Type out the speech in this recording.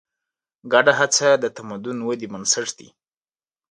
ګډه هڅه د تمدن ودې بنسټ دی.